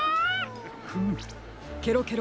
フムケロケロ